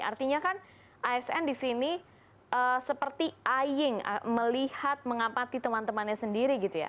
artinya kan asn di sini seperti aying melihat mengapati teman temannya sendiri gitu ya